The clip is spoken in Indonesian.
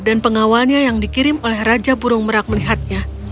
dan pengawalnya yang dikirim oleh raja burung merak melihatnya